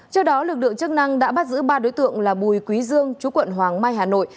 trước đó lực lượng chức năng đã bắt giữ ba đối tượng là bùi quý dương chú quận hoàng mai hà nội